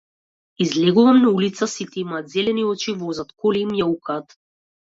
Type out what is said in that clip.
Излегувам на улица, сите имаат зелени очи, возат коли и мјаукаат.